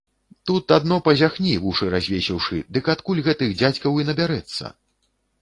Тут адно пазяхні, вушы развесіўшы, дык адкуль гэтых дзядзькаў і набярэцца.